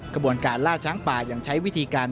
กระบวนการล่าช้างป่ายังใช้วิธีการ